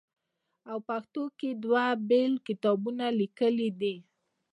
او پښتو کښې دوه بيل کتابونه ليکلي دي